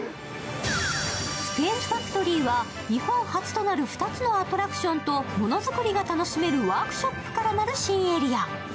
スペースファクトリーは日本初となる２つのアトラクションとものづくりが楽しめるワークショップから成る新エリア。